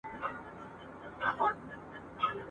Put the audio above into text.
ځیني سپین ږیرو ملاله نورزۍ وبلله.